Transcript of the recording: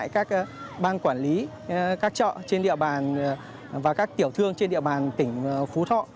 các ban quản lý các chợ trên địa bàn và các tiểu thương trên địa bàn tỉnh phú thọ